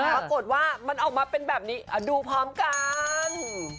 ปรากฏว่ามันออกมาเป็นแบบนี้ดูพร้อมกัน